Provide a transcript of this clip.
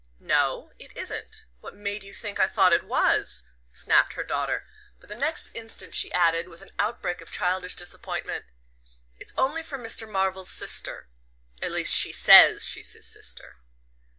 "No it isn't. What made you think I thought it was?" snapped her daughter; but the next instant she added, with an outbreak of childish disappointment: "It's only from Mr. Marvell's sister at least she says she's his sister."